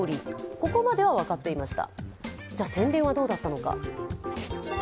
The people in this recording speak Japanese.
ここまでは分かっていました。